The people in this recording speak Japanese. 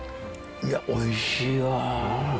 いやおいしいわ。